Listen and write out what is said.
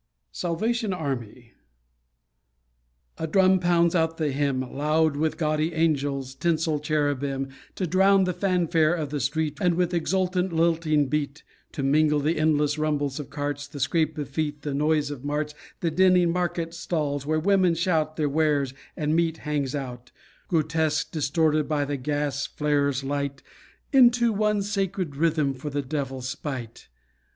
SALVATION ARMY A drum pounds out the hymn, Loud with gaudy angels, tinsel cherubim, To drown the fanfare of the street, And with exultant lilting beat, To mingle the endless rumble of carts, The scrape of feet, the noise of marts And dinning market stalls, where women shout Their wares, and meat hangs out Grotesque, distorted by the gas flare's light Into one sacred rhythm for the Devil's spite.